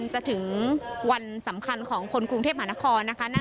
จะถึงวันสำคัญของคนกรุงเทพมหานครนะคะ